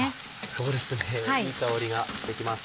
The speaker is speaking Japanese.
そうですねいい香りがしてきます。